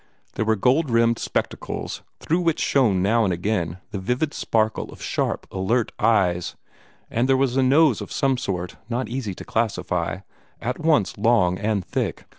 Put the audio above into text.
There were gold rimmed spectacles, through which shone now and again the vivid sparkle of sharp, alert eyes, and there was a nose of some sort not easy to classify, at once long and thick.